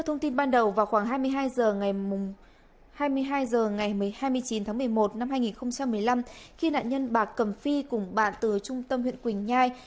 hai mươi hai h ngày hai mươi chín tháng một mươi một năm hai nghìn một mươi năm khi nạn nhân bạc cầm phi cùng bạn từ trung tâm huyện quỳnh nhai